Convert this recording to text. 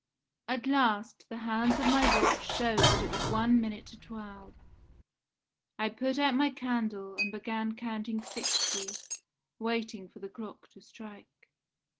At last the hands of my watch showed that it was one minute to twelve. I put out my candle and began counting sixty, waiting for the clock to strike.